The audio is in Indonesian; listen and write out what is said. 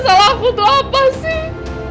salah aku tuh apa sih